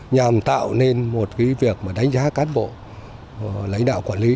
nhằm tạo nên một cái việc mà đánh giá cán bộ lãnh đạo quản lý